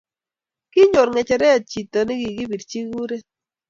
Kinyor ngecheret chito nikikabirchi kuret